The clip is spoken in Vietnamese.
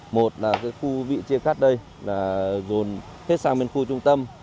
một là cái khu vị chia cắt đây là dồn hết sang bên khu trung tâm